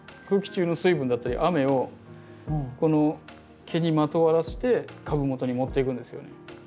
空気中の水分だったり雨をこの毛にまとわらして株元に持っていくんですよね。